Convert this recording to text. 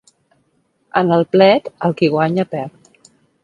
En el plet, el qui guanya perd.